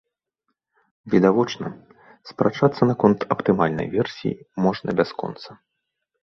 Відавочна, спрачацца наконт аптымальнай версіі можна бясконца.